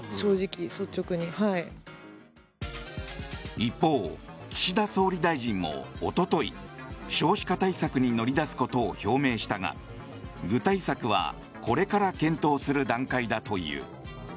一方、岸田総理大臣もおととい少子化対策に乗り出すことを表明したが具体策はこれから検討する段階だという。